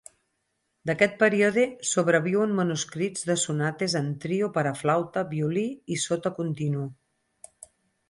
D'aquest període sobreviuen manuscrits de sonates en trio per a flauta, violí i sota continu.